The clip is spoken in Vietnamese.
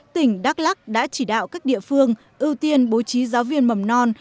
tỉnh đắk lắc đã chỉ đạo các địa phương ưu tiên bố trí giáo viên mầm non